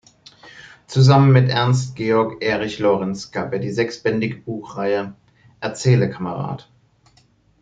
Zusammen mit Ernst Georg Erich Lorenz gab er die sechsbändige Buchreihe "Erzähle Kamerad!